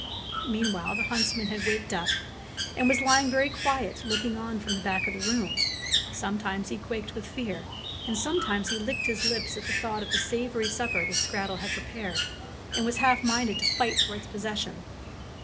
Meanwhile the huntsman had waked up, and was lying very quiet looking on from the back of the room. Sometimes he quaked with fear, and sometimes he licked his lips at thought of the savory supper the skrattel had prepared and was half minded to fight for its possession.